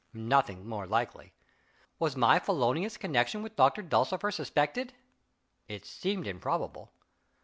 (Nothing more likely.) Was my felonious connection with Doctor Dulcifer suspected? (It seemed improbable.)